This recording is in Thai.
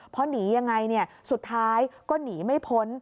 เพราะหนียังไงสุดท้ายก็หนีไม่พ้น